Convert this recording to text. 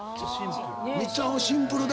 めっちゃシンプル。